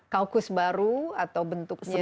kaukus baru atau bentuknya